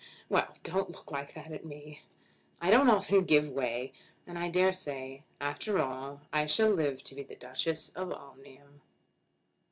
Well; don't look like that at me. I don't often give way, and I dare say after all I shall live to be the Duchess of Omnium."